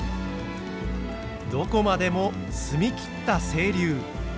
どこまでも澄み切った清流。